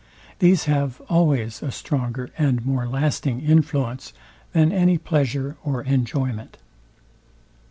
These have always a stronger and more lasting influence than any pleasure or enjoyment.